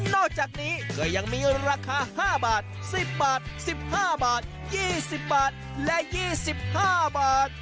นอกจากนี้ก็ยังมีราคาห้าบาทสิบบาทสิบห้าบาทยี่สิบบาทและยี่สิบห้าบาท